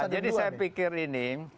jadi saya pikir ini